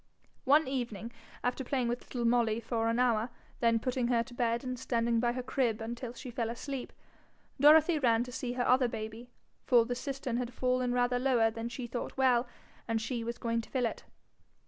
One evening, after playing with little Molly for an hour, then putting her to bed and standing by her crib until she fell asleep, Dorothy ran to see to her other baby; for the cistern had fallen rather lower than she thought well, and she was going to fill it.